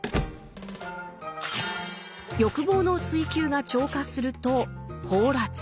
欲望の追求が超過すると「放埓」。